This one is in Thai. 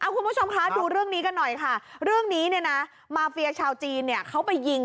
คุณผู้ชมดูเรื่องนี้กันหน่อยมาเฟียชาวจีนเขาไปยิง